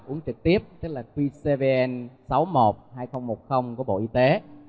uống trực tiếp tức là qcvn sáu mươi một hai nghìn một mươi của bộ y tế